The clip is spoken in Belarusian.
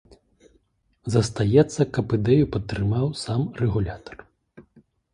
Застаецца, каб ідэю падтрымаў сам рэгулятар.